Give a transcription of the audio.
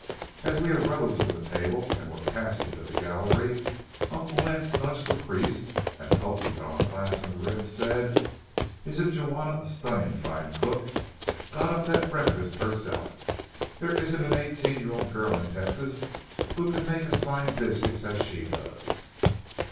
As we arose from the table and were passing to the gallery, Uncle Lance nudged the priest, and, poking Don Blas in the ribs, said: "Isn't Juana a stunning fine cook? Got up that breakfast herself. There isn't an eighteen year old girl in Texas who can make as fine biscuits as she does.